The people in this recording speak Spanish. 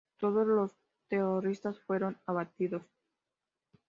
Todos los terroristas fueron abatidos.